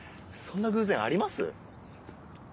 そんな偶然あります？